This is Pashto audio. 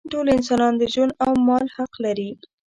ټول انسانان د ژوند او مال حق لري.